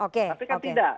tapi kan tidak